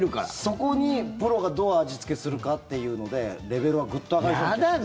そこにプロがどう味付けするかっていうのでレベルはグッと上がりそうな気がします。